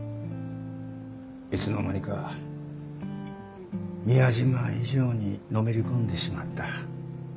いつの間にか宮島以上にのめり込んでしまった。